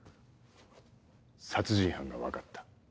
殺人犯が分かった。